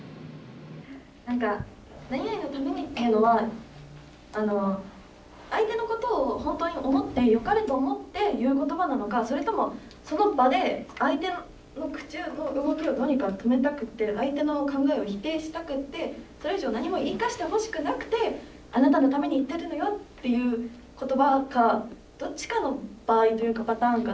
何か「なになにのために」っていうのはあの相手のことを本当に思ってよかれと思って言う言葉なのかそれともその場で相手の口の動きをどうにか止めたくって相手の考えを否定したくってそれ以上何も言い返してほしくなくて「あなたのために言ってるのよ」っていう言葉かどっちかの場合というかパターンかなと思っていて。